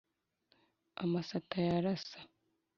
Amasata yarasa